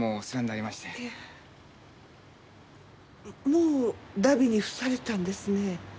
もう荼毘に付されたんですね。